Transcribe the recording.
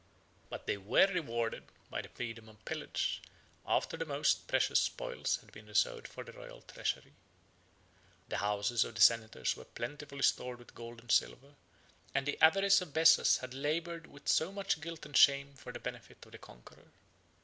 But they were rewarded by the freedom of pillage, after the most precious spoils had been reserved for the royal treasury. The houses of the senators were plentifully stored with gold and silver; and the avarice of Bessas had labored with so much guilt and shame for the benefit of the conqueror.